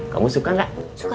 kamu suka gak